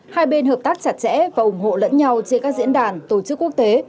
hai bên hợp tác chặt chẽ và ủng hộ lẫn nhau trên các diễn đàn tổ chức quốc tế